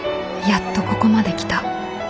やっとここまで来た。